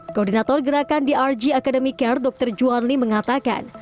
koordinator gerakan drg academy care dr johan lee mengatakan